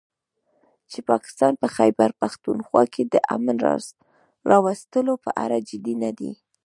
چې پاکستان په خيبرپښتونخوا کې د امن راوستلو په اړه جدي نه دی